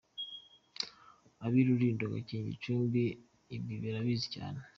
Ab’i Rulindo, Gakenke, Gicumbi ibi barabizi cyane.